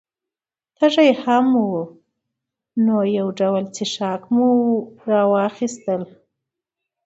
تږي هم وو، نو یو ډول څښاک مو را واخیستل.